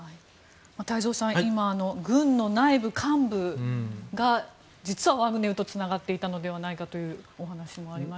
太蔵さん軍の内部、幹部が実はワグネルとつながっていたのではないかというお話も。